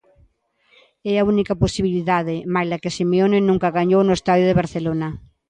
É a única posibilidade, malia que Simeone nunca gañou no estadio do Barcelona.